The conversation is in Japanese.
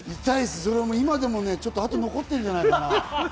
今でもあとが残ってるんじゃないかな。